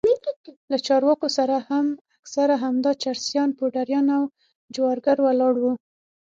له چارواکو سره هم اکثره همدا چرسيان پوډريان او جوارگر ولاړ وو.